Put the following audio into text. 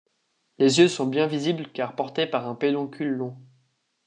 Les yeux sont bien visibles car portés par un pédoncule long.